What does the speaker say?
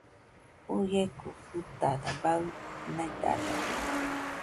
Uieko jɨtada baɨ naidada